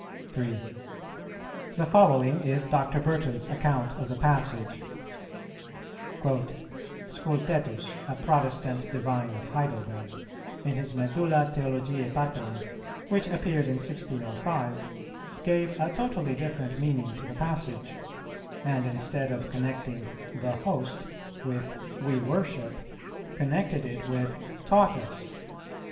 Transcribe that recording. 3. The following is Dr. Burton's account of the passage: "Scultetus, a Protestant divine of Heidelberg, in his Medulla Theologiæ Patrum, which appeared in 1605, gave a totally different meaning to the passage; and instead of connecting 'the host' with 'we worship,' connected it with 'taught us.'